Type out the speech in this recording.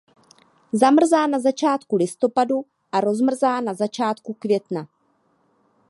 Zamrzá na začátku listopadu a rozmrzá na začátku května.